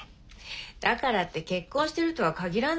だからって結婚してるとはかぎらないでしょ。